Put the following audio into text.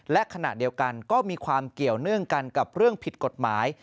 และขณะเดียวกันก็มีความเกี่ยวเนื่องกันกับเรื่องผิดกฎหมาย